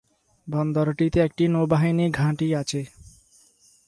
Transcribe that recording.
বন্দরটিতে একটি নৌবাহিনী ঘাঁটি আছে।